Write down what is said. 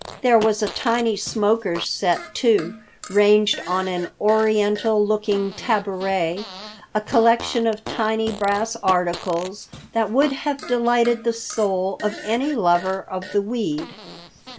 There was a tiny smoker's set, too, ranged on an oriental looking tabouret, a collection of tiny brass articles that would have delighted the soul of any lover of the weed.